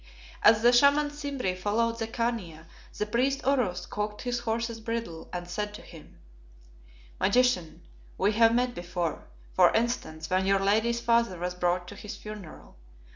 As the Shaman Simbri followed the Khania, the priest Oros caught his horse's bridle and said to him "Magician, we have met before, for instance, when your lady's father was brought to his funeral.